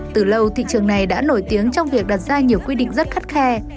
từ lâu thị trường này đã nổi tiếng trong việc đặt ra nhiều quy định rất khắt khe